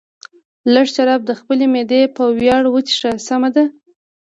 لږ شراب د خپلې معدې په ویاړ وڅښه، سمه ده.